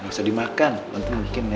gak usah dimakan nanti bikin ya